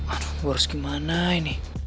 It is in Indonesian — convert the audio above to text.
aduh gue harus gimana ini